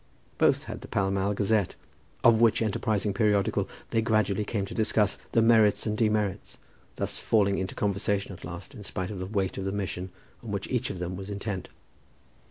Both had the Pall Mall Gazette, of which enterprising periodical they gradually came to discuss the merits and demerits, thus falling into conversation at last, in spite of the weight of the mission on which each of them was intent.